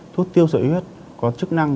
thuốc tiêu sợi huyết có chức năng